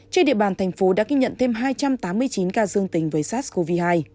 trên địa bàn thành phố đã ghi nhận thêm hai trăm tám mươi chín ca dương tính với sars cov hai